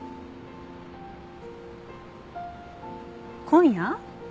今夜？